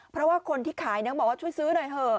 เพราะว่าคนที่ขายบอกว่าช่วยซื้อหน่อยเถอะ